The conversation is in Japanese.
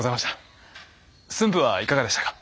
駿府はいかがでしたか？